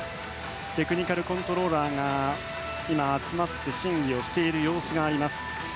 テクニカルコントローラーが今、集まって審議をしている様子があります。